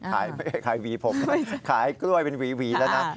ขายหวีผมขายกล้วยเป็นหวีแล้วนะ